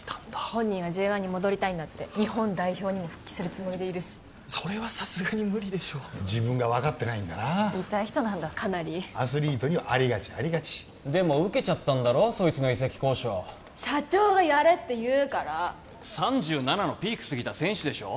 本人はＪ１に戻りたいんだって日本代表にも復帰するつもりでいるしそれはさすがに無理でしょ自分が分かってないんだな痛い人なんだアスリートにありがちありがちでも受けちゃったんだろそいつの移籍交渉社長がやれっていうから３７のピーク過ぎた選手でしょ